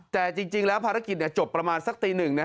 แต่จริงแล้วภารกิจจบประมาณสักตีหนึ่งนะ